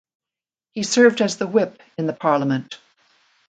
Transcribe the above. He served as the whip in the Parliament.